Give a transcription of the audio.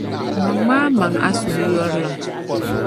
Mɔŋmi a maŋ’ A suhuyurlim.